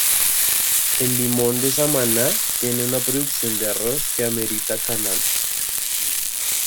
El limón de Samaná tiene una producción de arroz que amerita canales.